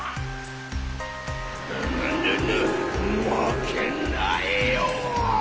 ぐぬぬぬまけないよ！